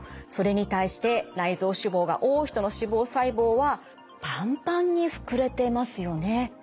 それに対して内臓脂肪が多い人の脂肪細胞はパンパンに膨れてますよね。